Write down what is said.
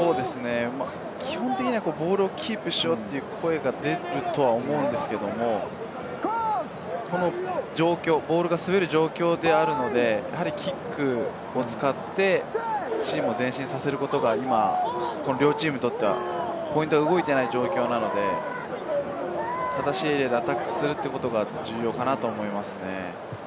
基本的にボールをキープしようという声が出ると思うんですけれど、この状況、ボールが滑る状況であるので、キックを使ってチームを前進させることが両チームにとってはポイントが動いていない状況なので、正しいエリアでアタックすることが重要なのかなと思いますね。